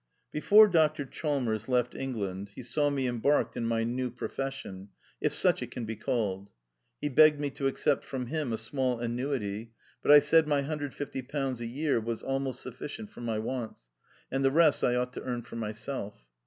Before Dr Chalmers left England he saw me embarked in my new profession — if such it can be called. He begged me to accept from him a small annuity, but 1 said my £150 a year was almost sufficient for my wants, and the rest I ought to earn for myself.